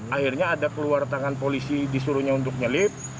akhirnya ada keluar tangan polisi disuruhnya untuk nyelip